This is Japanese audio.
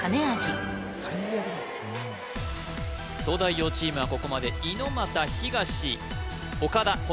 東大王チームはここまで猪俣東岡田